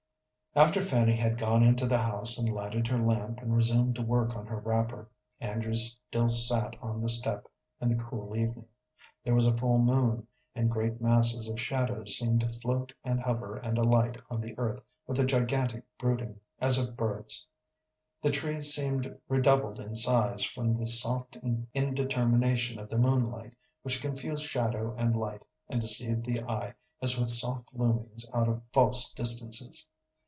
After Fanny had gone into the house and lighted her lamp, and resumed work on her wrapper, Andrew still sat on the step in the cool evening. There was a full moon, and great masses of shadows seemed to float and hover and alight on the earth with a gigantic brooding as of birds. The trees seemed redoubled in size from the soft indetermination of the moonlight which confused shadow and light, and deceived the eye as with soft loomings out of false distances.